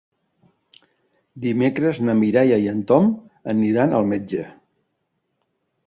Dimecres na Mireia i en Tom aniran al metge.